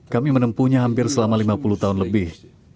kami menempuhnya hampir selama lima puluh tahun lebih